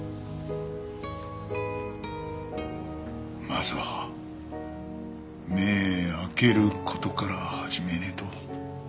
まずは目ぇ開ける事から始めねえと。